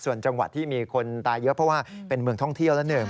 ส่วนจังหวัดที่มีคนตายเยอะเพราะว่าเป็นเมืองท่องเที่ยวละหนึ่ง